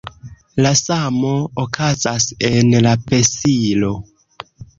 La samo okazas en la pesilo.